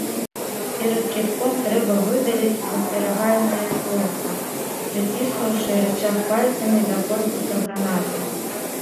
Перад кідком трэба выдаліць засцерагальнае кольца, прыціснуўшы рычаг пальцамі да корпуса гранаты.